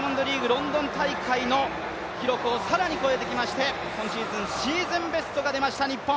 ロンドン大会の記録を更に超えてきまして今シーズン、シーズンベストが出ました日本。